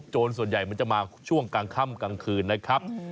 ส่วนใหญ่มันจะมาช่วงกลางค่ำกลางคืนนะครับ